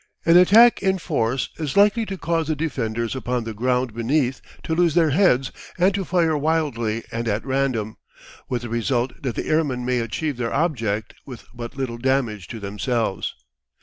An attack in force is likely to cause the defenders upon the ground beneath to lose their heads and to fire wildly and at random, with the result that the airmen may achieve their object with but little damage to themselves.